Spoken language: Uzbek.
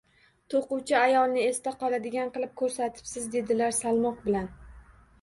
To`quvchi ayolni esda qoladigan qilib ko`rsatibsiz, dedilar salmoq bilan